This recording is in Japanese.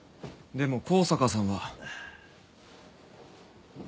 でも向坂さんは。